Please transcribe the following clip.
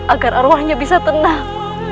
agar arwahnya bisa tenang